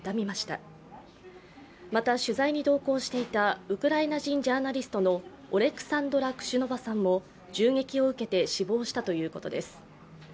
また取材に同行していたウクライナ人ジャーナリストのオレクサンドラ・クシュノヴァさんも銃撃を受けて死亡したということです。